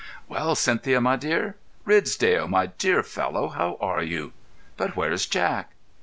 "Well, Cynthia, my dear! Ridsdale, my dear fellow, how are you? But where's Jack?"